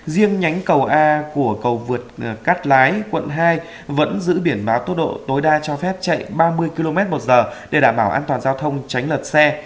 riêng nhánh cầu a của cầu vượt cát lái quận hai vẫn giữ biển báo tốc độ tối đa cho phép chạy ba mươi km một giờ để đảm bảo an toàn giao thông tránh lật xe